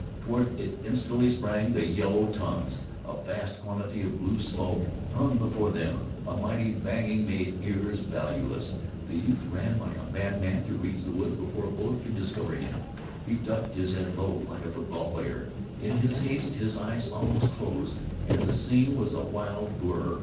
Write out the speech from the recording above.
Toward it instantly sprang the yellow tongues. A vast quantity of blue smoke hung before them. A mighty banging made ears valueless. The youth ran like a madman to reach the woods before a bullet could discover him. He ducked his head low, like a football player. In his haste his eyes almost closed, and the scene was a wild blur.